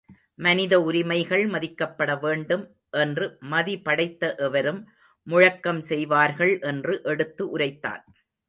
மனித உரிமைகள் மதிக்கப்பட வேண்டும் என்று மதி படைத்த எவரும் முழக்கம் செய்வார்கள் என்று எடுத்து உரைத்தான்.